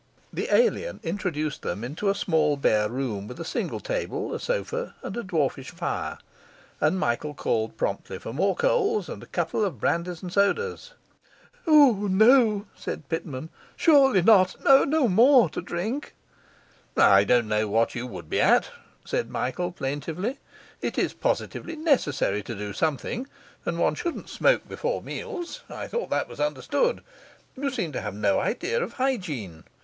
The alien introduced them into a small bare room with a single table, a sofa, and a dwarfish fire; and Michael called promptly for more coals and a couple of brandies and sodas. 'O, no,' said Pitman, 'surely not no more to drink.' 'I don't know what you would be at,' said Michael plaintively. 'It's positively necessary to do something; and one shouldn't smoke before meals. I thought that was understood. You seem to have no idea of hygiene.